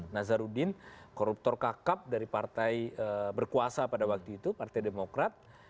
nazarudin koruptor kakap dari partai berkuasa pada waktu itu partai demokrat